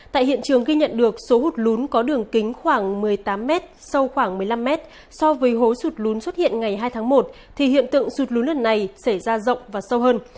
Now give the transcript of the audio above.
tại hiện trường ghi nhận được số hụt lún có đường kính khoảng một mươi tám m sâu khoảng một mươi năm mét so với hố sụt lún xuất hiện ngày hai tháng một thì hiện tượng sụt lún lần này xảy ra rộng và sâu hơn